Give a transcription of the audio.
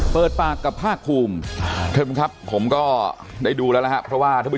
เปิดปากกับผ้าคูมครับผมก็ได้ดูแล้วครับเพราะว่าท่านผู้